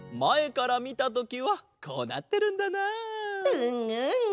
うんうん！